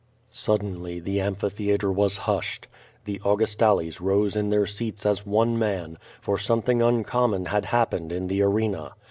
'* Suddenly the amphitheatre was hushed. The Augustales rose in their seats as one man, for something uncommon had happened in the arena.